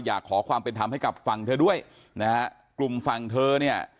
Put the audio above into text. อยากขอความเป็นธรรมให้กับฝั่งเธอด้วยนะฮะกลุ่มฝั่งเธอเนี่ย